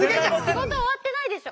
仕事終わってないでしょ。